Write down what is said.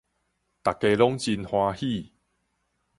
逐家攏真歡喜